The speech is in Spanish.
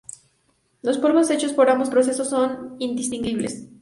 Los polvos hechos por ambos procesos son indistinguibles.